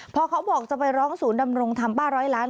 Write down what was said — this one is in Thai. พอเขาบอกจะไปร้องศูนย์ดำรงทำป้าร้อยล้าน